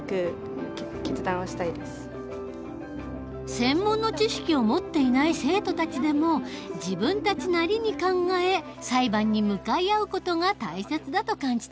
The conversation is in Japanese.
専門の知識を持っていない生徒たちでも自分たちなりに考え裁判に向かい合う事が大切だと感じたようだ。